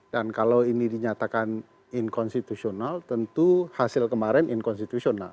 dan kalau ini dinyatakan inkonstitusional tentu hasil kemarin inkonstitusional